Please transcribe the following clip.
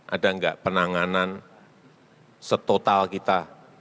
ada nggak penanganan setotal kita